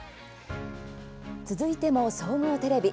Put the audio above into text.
続いても総合テレビ。